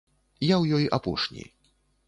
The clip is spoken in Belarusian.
Я ў ёй апошні.